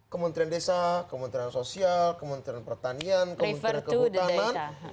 kementerian desa kementerian sosial kementerian pertanian kementerian kehutanan